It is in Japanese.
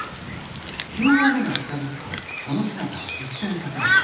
九合目が近づくとその姿を一変させます